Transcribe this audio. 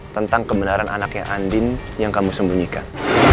tentang kebenaran anaknya andin yang kamu sembunyikan